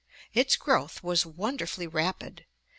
Its growth was wonderfully rapid.